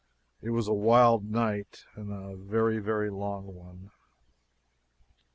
It was a wild night and a very, very long one.